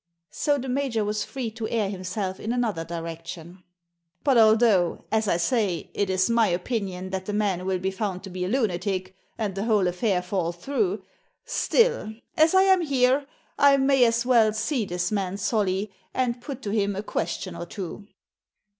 So the major was free to air himself in another direction. " But although, as I say, it is my opinion that the man will be found to be a lunatic, and the whole affair fall through, still, as I am here, I may as well see this man Solly, and put to him a question or two."